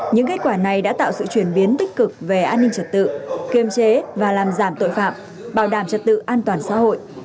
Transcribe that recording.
những kết quả này đã tạo sự chuyển biến tích cực về an ninh trật tự kiềm chế và làm giảm tội phạm bảo đảm trật tự an toàn xã hội